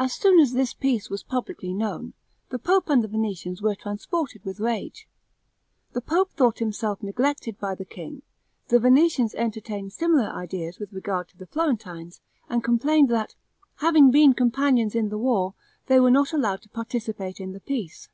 As soon as this peace was publicly known, the pope and the Venetians were transported with rage; the pope thought himself neglected by the king; the Venetians entertained similar ideas with regard to the Florentines, and complained that, having been companions in the war, they were not allowed to participate in the peace.